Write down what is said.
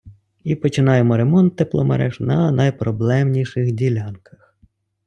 І починаємо ремонт тепломереж на найпроблемніших ділянках.